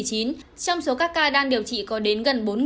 trong số các ca đang điều trị có đến gần bốn ca nặng